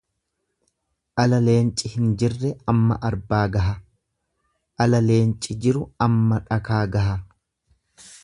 Ala leenci hin jirre amma arbaa gaha, ala leenci jiru amma dhakaa gaha.